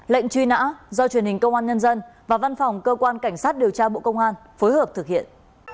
lệnh truy nã do truyền hình công an nhân dân và văn phòng cơ quan cảnh sát điều tra bộ công an phối hợp thực hiện